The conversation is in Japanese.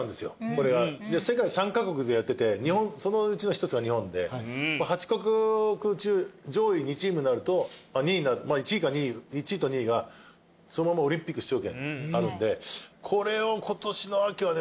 これが。で世界３カ国でやっててそのうちの１つが日本で８カ国中上位２チームになると１位と２位がそのままオリンピック出場権あるんでこれを今年の秋はね